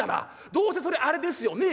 どうせそれあれですよね。